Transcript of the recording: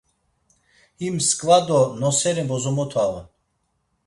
Him mskva do noseri bozomota on.